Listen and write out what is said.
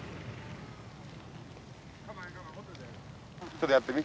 ちょっとやってみ。